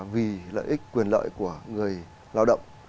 vì lợi ích quyền lợi của người lao động